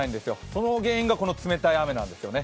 その原因がこの冷たい雨なんですよね。